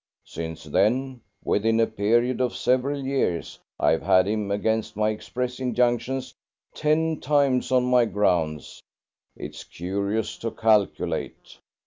Since then, within a period of several years, I have had him, against my express injunctions, ten times on my grounds. It's curious to calculate.